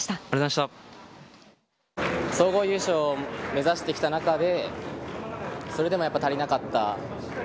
総合優勝を目指してきた中でそれでも足りなかった。